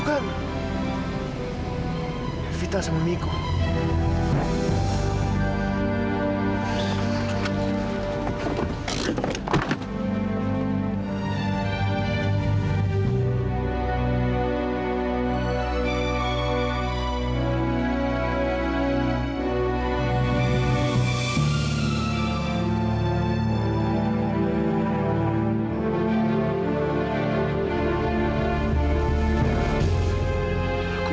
kita mau ke lalu tahu gak